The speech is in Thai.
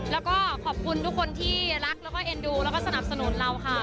แล้วก็ขอบคุณทุกคนที่รักแล้วก็เอ็นดูแล้วก็สนับสนุนเราค่ะ